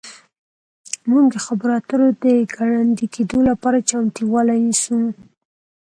موږ د خبرو اترو د ګړندي کیدو لپاره چمتووالی نیسو